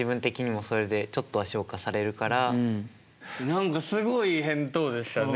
何かすごい返答でしたね。